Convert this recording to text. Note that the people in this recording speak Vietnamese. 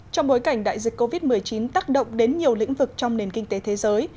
trong bối cảnh đại dịch covid một mươi chín tác động đến nhiều lĩnh vực trong nền kinh tế thế giới